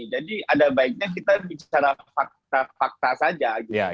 jadi ada baiknya kita bicara fakta fakta saja